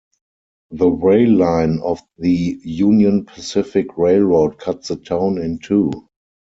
The rail line of the Union Pacific Railroad cuts the town in two.